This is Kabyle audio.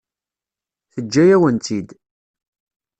Teǧǧa-yawen-tt-id.